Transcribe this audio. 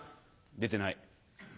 「出てない」。